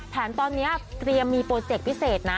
แถมตอนนี้เตรียมมีโปรเจกต์พิเศษนะ